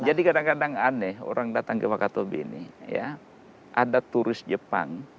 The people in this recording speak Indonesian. jadi kadang kadang aneh orang datang ke wakatobi ini ya ada turis jepang